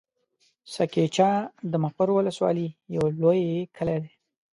سه کېچه د مقر ولسوالي يو لوی کلی دی.